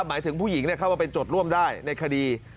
หมายถึงผู้หญิงเข้ามาเป็นจดร่วมได้ในคดี